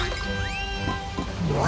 うわ！